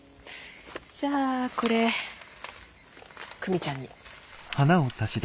じゃあこれ久美ちゃんに。